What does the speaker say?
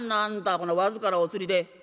この僅かなお釣りで」。